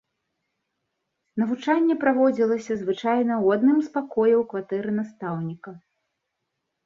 Навучанне праводзілася звычайна ў адным з пакояў кватэры настаўніка.